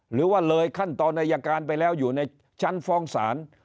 หรือว่าเลยขั้นตอนอายการไปแล้วอยู่ในชั้นฟ้องศาล